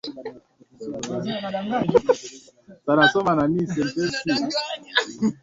hiyo lakini inawakilisha malengo ya msingi ya kiafya inayosaidia